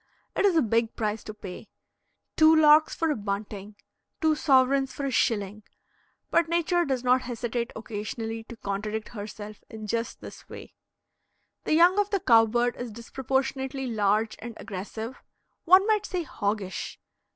It is a big price to pay two larks for a bunting two sovereigns for a shilling; but Nature does not hesitate occasionally to contradict herself in just this way. The young of the cow bird is disproportionately large and aggressive, one might say hoggish.